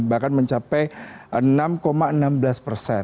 bahkan mencapai enam enam belas persen